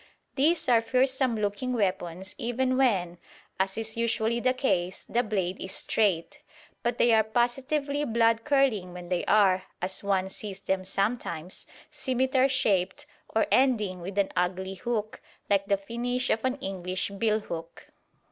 These are fearsome looking weapons even when, as is usually the case, the blade is straight; but they are positively blood curdling when they are, as one sees them sometimes, scimitar shaped or ending with an ugly hook, like the finish of an English billhook.